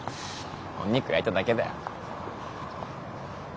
お肉焼いただけだよ。